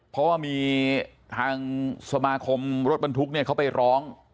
เพราะว่ามีทางสมาคมรถบรรทุกเนี่ยเขาไปร้อง